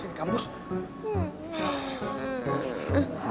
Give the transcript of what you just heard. iyan iyan kesini kampus